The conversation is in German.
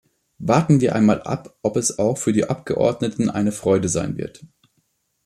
Warten wir einmal ab, ob es auch für die Abgeordneten eine Freude sein wird.